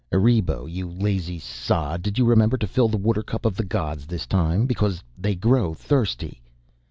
"Erebo you lazy sod, did you remember to fill the watercup of the gods this time, because they grow thirsty?"